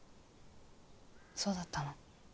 そうだったの。